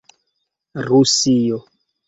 rusio